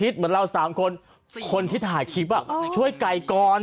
ทำไมไม่เปิดกงช่วยไก่